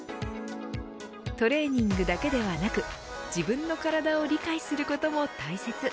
トレーニングだけではなく自分の体を理解することも大切。